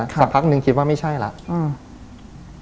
สักพักนึงคิดว่าไม่ใช่แล้ว